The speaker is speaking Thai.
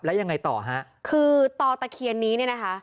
แล้วยังไงต่อฮะคือต่อตะเคียนนี้เนี่ยนะคะ